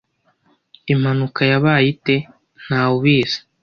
"Impanuka yabaye ite?" "Ntawe ubizi."